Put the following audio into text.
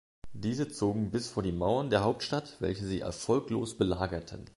Diese zogen bis vor die Mauern der Hauptstadt, welche sie erfolglos belagerten.